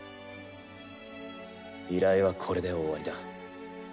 依頼はこれで終わりだ。